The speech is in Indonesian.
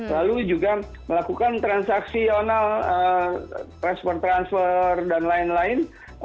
lalu juga melakukan transaksional transfer transfer dan lain lain